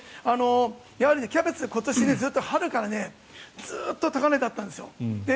キャベツは今年春からずっと高値だったんです。